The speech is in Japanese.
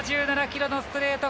１５７キロ、ストレート。